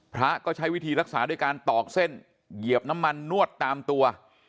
พระก็ใช้วิธีรักษาด้วยการตอกเส้นเหยียบน้ำมันนวดตามตัว